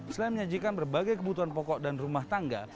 selain menyajikan berbagai kebutuhan pokok dan rumah tangga